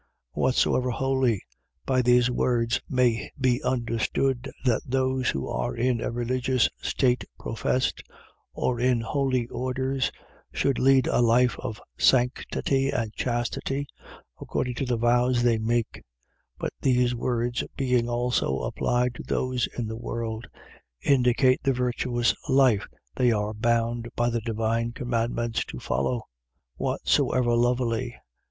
Whatsoever holy. . .by these words may be understood, that those who are in a religious state professed, or in holy orders, should lead a life of sanctity and chastity, according to the vows they make; but these words being also applied to those in the world, indicate the virtuous life they are bound by the divine commandments to follow. Whatsoever lovely.